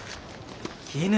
きぬ。